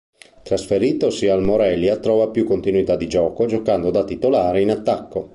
Trasferitosi al Morelia trova più continuità di gioco, giocando da titolare in attacco.